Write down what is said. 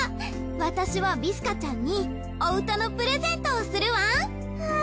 私はビスカちゃんにお歌のプレゼントをするわん！